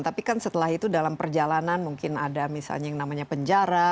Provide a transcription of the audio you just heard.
tapi kan setelah itu dalam perjalanan mungkin ada misalnya yang namanya penjara